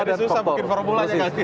jadi susah mungkin formulanya kan